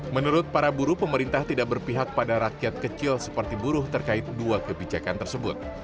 menurut para buruh pemerintah tidak berpihak pada rakyat kecil seperti buruh terkait dua kebijakan tersebut